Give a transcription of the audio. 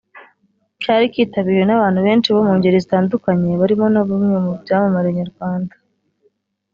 Cyari kitabiriwe n’abantu benshi bo mu ngeri zitandukanye barimo na bimwe mu byamamare nyarwanda